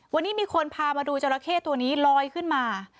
วันนี้มีคนพามาดูจราเข้ตัวนี้ลอยขึ้นมา